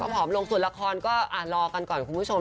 ผอมลงส่วนละครก็รอกันก่อนคุณผู้ชม